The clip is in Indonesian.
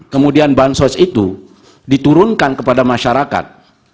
kemudian bansos itu diturunkan kepada masyarakat